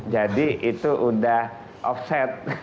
jadi itu udah offset